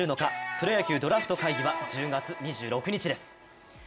プロ野球ドラフト会議は１０月２６日です。